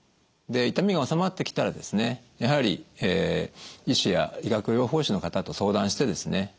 痛みが治まってきたらですねやはり医師や理学療法士の方と相談してですね